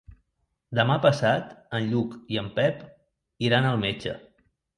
Demà passat en Lluc i en Pep iran al metge.